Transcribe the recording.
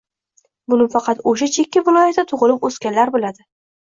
Buni faqat o‘sha – chekka viloyatda tug‘ilib-o‘sganlar biladi.